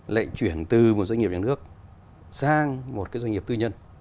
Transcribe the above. lại chuyển từ một doanh nghiệp nhà nước sang một cái doanh nghiệp tư nhân